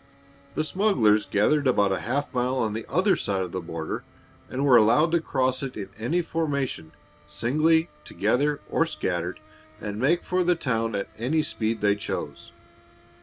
The smugglers gathered about half a mile on the other side of the border and were allowed to cross it in any formation, singly, together, or scattered, and make for the town at any speed they chose.